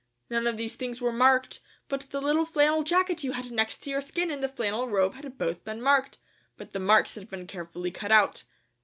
None of these things were marked, but the little flannel jacket you had next to your skin and the flannel robe had both been marked, but the marks had been carefully cut out.